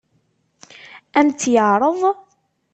Ad m-tt-yeɛṛeḍ?